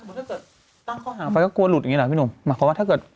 โอเคครับสมมติถ้าเกิดตั้งข้อหาฟังก็กลัวหลุดอย่างนี้หรอพี่หนุ่มหมายความว่าถ้าเกิด